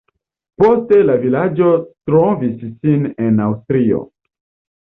Poste la vilaĝo trovis sin en Aŭstrio.